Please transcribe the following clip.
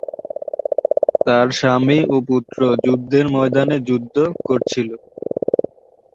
তার স্বামী ও পুত্র যুদ্ধের ময়দানে যুদ্ধ করছিল।